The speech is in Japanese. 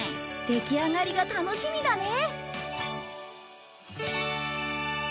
出来上がりが楽しみだね。